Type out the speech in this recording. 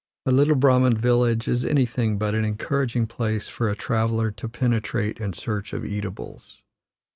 A little Brahman village is anything but, an encouraging place for a traveller to penetrate in search of eatables.